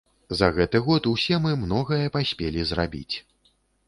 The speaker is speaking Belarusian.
За гэты год усе мы многае паспелі зрабіць.